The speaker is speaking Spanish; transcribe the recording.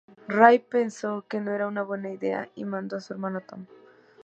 Ray pensó que no era una buena idea y mandó a su hermano Tom.